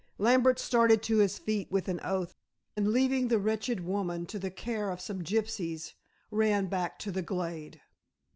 Lambert started to his feet with an oath, and leaving the wretched woman to the care of some gypsies, ran back to the glade.